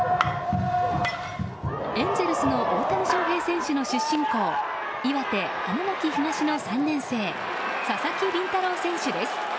エンゼルスの大谷翔平選手の出身校岩手・花巻東の３年生佐々木麟太郎選手です。